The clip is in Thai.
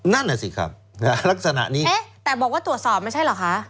นั่นแหละสิครับฮะลักษณะนี้เอ๊ะแต่บอกว่าตรวจสอบไม่ใช่หรอกค่ะ